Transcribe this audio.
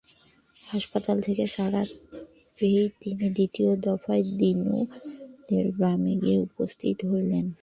হাসপাতাল থেকে ছাড়া পেয়েই তিনি দ্বিতীয় দফায় দিনুদের গ্রামে গিয়ে উপস্থিত হলেন।